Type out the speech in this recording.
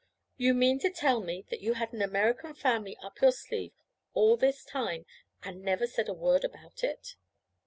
'You mean to tell me that you had an American family up your sleeve all this time and never said a word about it?'